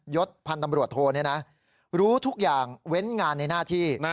ศพันธ์ตำรวจโทรู้ทุกอย่างเว้นงานในหน้าที่